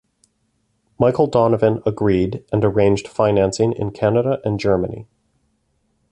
Michael Donovan agreed, and arranged financing in Canada and Germany.